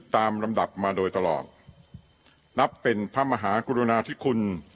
ลำดับมาโดยตลอดนับเป็นพระมหากรุณาธิคุณ